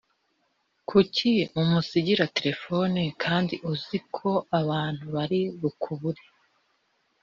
Kuki umusigira terefoni kandi uziko abantu bari bukubure